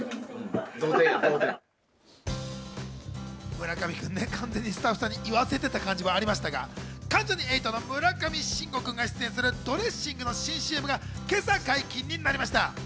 村上君、完全にスタッフさんに言わせてた感じもありましたが、関ジャニ∞の村上信五君が出演するドレッシングの新ＣＭが今朝、解禁になりました。